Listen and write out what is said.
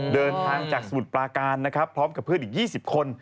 เดินทางจากสมุทรปลาการนะครับพร้อมกับเพื่อนอีก๒๐คน